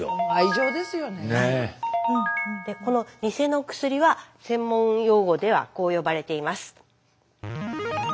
このニセの薬は専門用語ではこう呼ばれています。